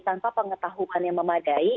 tanpa pengetahuan yang memadai